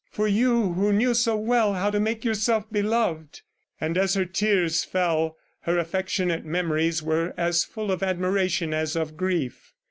... for you who knew so well how to make yourself beloved!" ... And as her tears fell, her affectionate memories were as full of admiration as of grief.